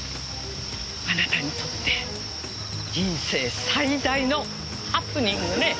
あなたにとって人生最大のハプニングね。